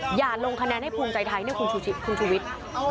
อย่าลงคะแนนให้ภูมิใจไทยเนี่ยคุณชุวิต